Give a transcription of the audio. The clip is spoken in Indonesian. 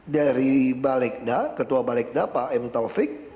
dari balegda ketua balegda pak m taufik